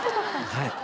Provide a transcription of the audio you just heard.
はい。